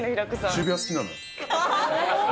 渋谷好きなの。